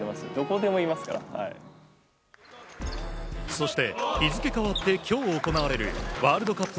そして日付変わって今日行われるワールドカップ